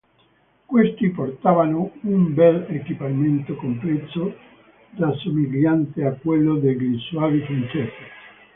Questi portavano un bell'equipaggiamento complesso rassomigliante a quello degli Zuavi francesi.